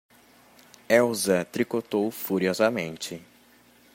Elsa tricotou furiosamente.